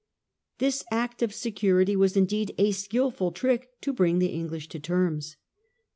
This "Act of Security" was indeed a skilful trick to bring the English to terms.